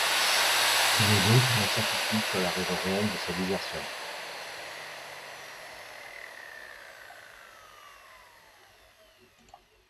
Il y a donc une incertitude sur la raison réelle de sa désertion.